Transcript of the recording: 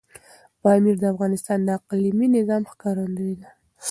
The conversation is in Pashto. پامیر د افغانستان د اقلیمي نظام ښکارندوی ده.